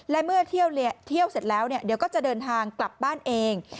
และเมื่อเที่ยวเสร็จแล้วเดี๋ยวก็จะเดินทางกลับบ้านเอง